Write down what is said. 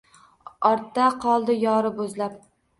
Ortda qoldi yori boʼzlab